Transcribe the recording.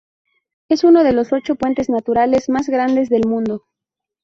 Es uno de los ocho puentes naturales más grandes del mundo.